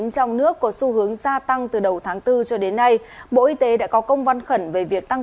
trong nước có xu hướng gia tăng từ đầu tháng bốn cho đến nay bộ y tế đã có công văn khẩn về việc tăng